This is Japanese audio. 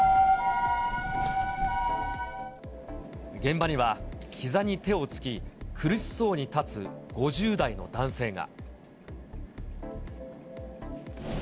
現場には、ひざに手をつき、苦しそうに立つ５０代の男性が。